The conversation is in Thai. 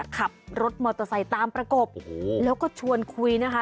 ขับรถมอเตอร์ไซค์ตามประกบแล้วก็ชวนคุยนะคะ